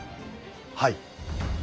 はい。